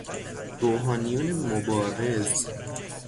روحانیون مبارز